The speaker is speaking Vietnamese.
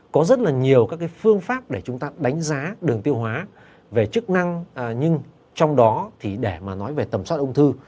có rất là nhiều các cái phương pháp để chúng ta đánh giá đường tiêu hóa về chức năng nhưng trong đó thì để mà nói về tầm soát ung thư